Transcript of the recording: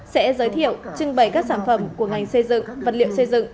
hai nghìn hai mươi ba sẽ giới thiệu trưng bày các sản phẩm của ngành xây dựng vật liệu xây dựng